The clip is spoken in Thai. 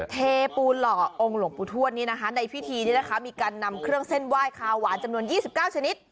เทปูหล่อองค์หลวงปู่ทวดนี้นะคะในพิธีนี้นะคะมีการนำเครื่องเส้นไหว้คาหวานจำนวน๒๙ชนิด